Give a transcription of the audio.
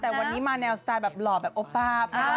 แต่วันนี้ในประเภทหล่อแบบแบบอบอร์